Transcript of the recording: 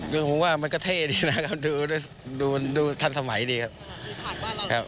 คือผมว่ามันก็เท่ดีนะครับดูทันสมัยดีครับ